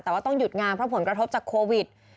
แต่ว่าต้องหยุดงานเพราะผลกระทบจากโควิด